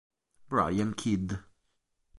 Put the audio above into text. Brian Kidd